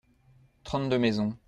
Trente-deux maisons.